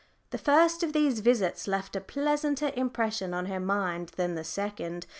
The first of these visits left a pleasanter impression on her mind than the second.